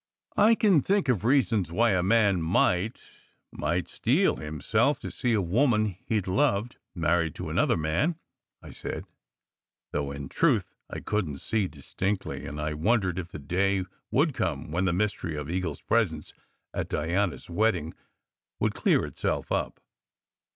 "I can think of reasons why a man might might steel himself to see a woman he d loved married to another man," I said; though in truth, I couldn t see distinctly, and I wondered if the day would come when the mystery of Eagle s presence at Diana s wedding would clear itself up.